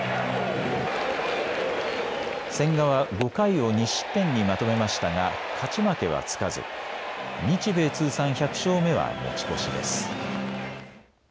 千賀は５回を２失点にまとめましたが勝ち負けはつかず日米通算１００勝目は持ち越しです。